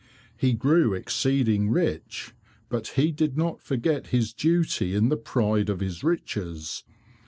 He grew exceeding rich, but he did not forget his duty in the pride of his riches.